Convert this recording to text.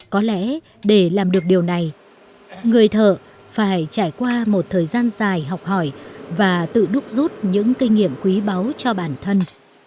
có lẽ để làm được điều này người thợ phải trải qua một thời gian dài học hỏi và tự đúc rút những kinh nghiệm quý báu cho bản thân